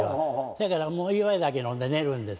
そやからもう祝い酒飲んで寝るんです。